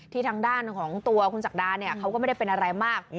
ทางด้านของตัวคุณศักดาเนี่ยเขาก็ไม่ได้เป็นอะไรมาก